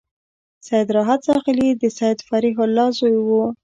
سید راحت زاخيلي د سید فریح الله زوی و.